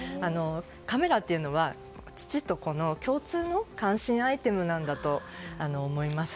カメラというのは父と子の共通の関心アイテムだと思います。